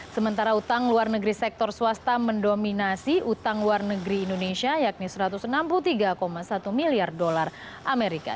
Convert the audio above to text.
sementara utang luar negeri sektor swasta mendominasi utang luar negeri indonesia yakni satu ratus enam puluh tiga satu miliar dolar amerika